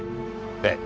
ええ。